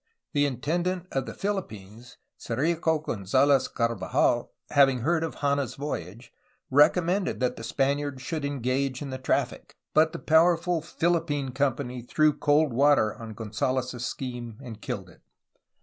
The intendant of the Philippines, Ciriaco Gonzd, lez Carvajal, having heard of Hanna's voyage, recommended that the Spaniards should engage in the traffic, but the powerful Philippine Company threw cold water on Gonzalez's scheme and killed it.